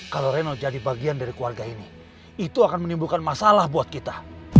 kalau reno jadi bagian dari keluarga ini itu akan menimbulkan masalah buat kita